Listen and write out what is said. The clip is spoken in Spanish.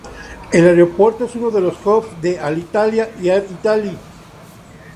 El aeropuerto es uno de los "hubs" de Alitalia y Air Italy.